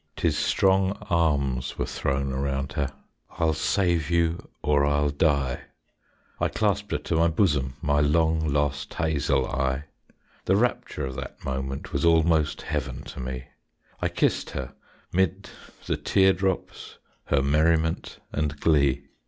'Tis strong arms were thrown around her. "I'll save you or I'll die." I clasped her to my bosom, My long lost Hazel Eye. The rapture of that moment Was almost heaven to me; I kissed her 'mid the tear drops, Her merriment and glee.